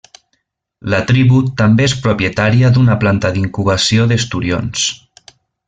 La tribu també és propietària d'una planta d'incubació d'esturions.